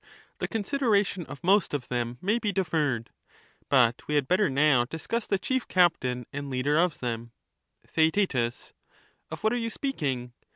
The consideration of most of them may be deferred ; Sophist. but we had better now discuss the chief captain and leader of stianger. them. theaktictus. Theaet, Of what are you speaking?